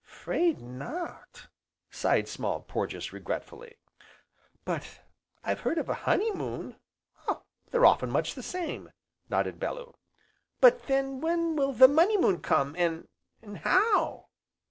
"'Fraid not," sighed Small Porges regretfully, "but I've heard of a Honey moon " "They're often much the same!" nodded Bellew. "But when will the Money Moon come, an' how?"